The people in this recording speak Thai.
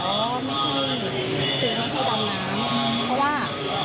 แล้วก็ขอให้ไม่ให้ดำน้ำ